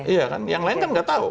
iya kan yang lain kan nggak tahu